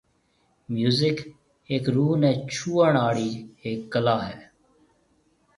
ميوزڪ هيڪ روح ني ڇُوئوڻ آݪِي هيڪ ڪلا هيَ